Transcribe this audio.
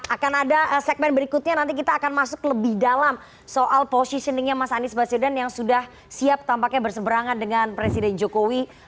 akan ada segmen berikutnya nanti kita akan masuk lebih dalam soal positioningnya mas anies baswedan yang sudah siap tampaknya berseberangan dengan presiden jokowi